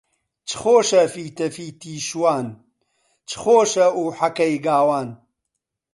چ خۆشە فیتەفیتی شوان، چ خۆشە ئوحەکەی گاوان